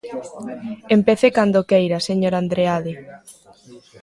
Empece cando queira, señor Andreade.